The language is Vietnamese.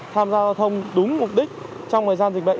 tham gia giao thông đúng mục đích trong thời gian dịch bệnh